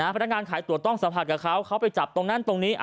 พนักงานขายตัวต้องสัมผัสกับเขาเขาไปจับตรงนั้นตรงนี้